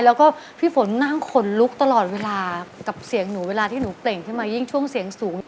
แล้วก็พี่ฝนนั่งขนลุกตลอดเวลากับเสียงหนูเวลาที่หนูเปล่งขึ้นมายิ่งช่วงเสียงสูง